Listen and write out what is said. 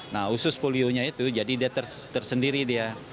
nah usus polionya itu jadi dia tersendiri dia